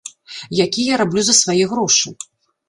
Які я раблю за свае грошы.